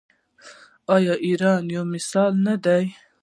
آیا ایران یو مثال نه دی؟